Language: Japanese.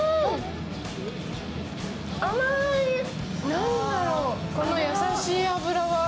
何だろう、この優しい脂は。